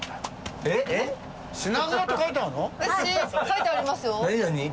書いてありますよ。